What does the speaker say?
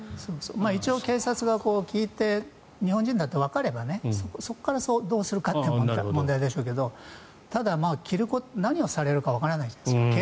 一応、警察が聞いて日本人だとわかればそこからどうするかって問題でしょうけどただ、何をされるかわからないじゃないですか。